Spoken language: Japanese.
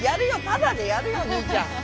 タダでやるよ兄ちゃん。